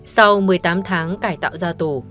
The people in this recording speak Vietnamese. sau một mươi tám tháng cải tạo gia tố